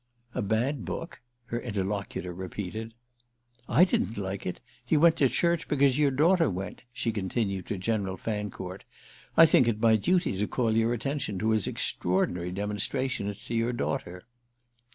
"A bad book?" her interlocutor repeated. "I didn't like it. He went to church because your daughter went," she continued to General Fancourt. "I think it my duty to call your attention to his extraordinary demonstrations to your daughter."